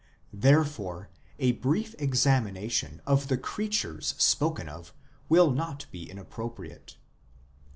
Therefore a brief examination of the creatures spoken of will not be inappropriate.